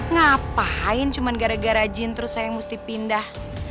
ngapain cuma gara gara jin terus saya yang mesti pindah